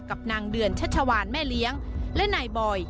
กับนางเดือนชัชวานแม่เลี้ยงและนายบอย